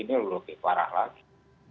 ini lebih parah lagi